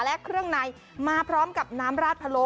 และเครื่องในมาพร้อมกับน้ำราดพะโล